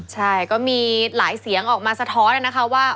ใช่ก็มีหลายเสียงออกมาสะท้อนนะคะว่า